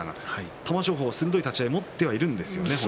玉正鳳は鋭い立ち合いを持っていますね。